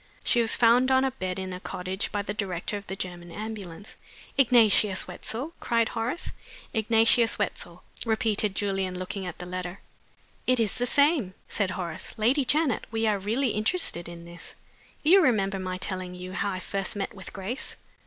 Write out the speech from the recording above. She was found on a bed in a cottage by the director of the German ambulance " "Ignatius Wetzel?" cried Horace. "Ignatius Wetzel," repeated Julian, looking at the letter. "It is the same!" said Horace. "Lady Janet, we are really interested in this. You remember my telling you how I first met with Grace?